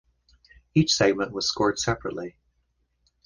Each segment was scored separately.